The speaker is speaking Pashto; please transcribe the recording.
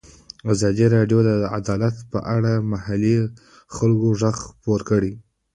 ازادي راډیو د عدالت په اړه د محلي خلکو غږ خپور کړی.